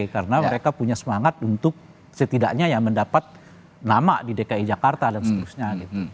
karena mereka punya semangat untuk setidaknya ya mendapat nama di dki jakarta dan seterusnya